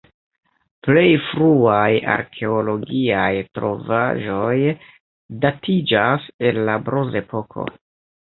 Plej fruaj arkeologiaj trovaĵoj datiĝas el la bronzepoko.